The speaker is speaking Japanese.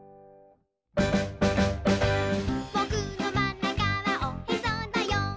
「ぼくのまんなかはおへそだよ」